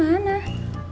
ada namanya mbak beli naim